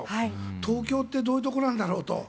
東京ってどういうところなんだろうと。